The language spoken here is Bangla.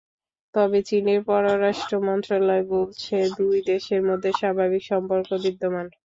তবে চীনের পররাষ্ট্র মন্ত্রণালয় বলছে, দুই দেশের মধ্যে স্বাভাবিক সম্পর্ক বিদ্যমান।